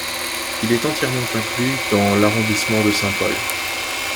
Il est entièrement inclus dans l'arrondissement de Saint-Paul.